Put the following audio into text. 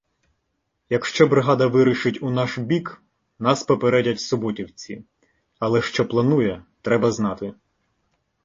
Якщо бригада вирушить у наш бік, нас попередять суботівці, але що планує — треба знати.